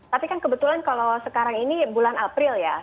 tapi kan kebetulan kalau sekarang ini bulan april ya